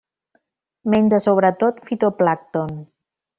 Menja sobretot fitoplàncton.